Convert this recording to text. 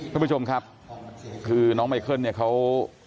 คุณผู้ชมครับคือน้องเขา